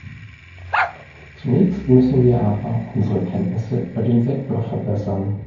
Zunächst müssen wir aber unsere Kenntnisse über den Sektor verbessern.